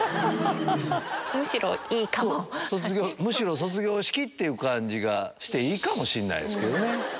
むしろ卒業式っていう感じがしていいかもしんないですけどね。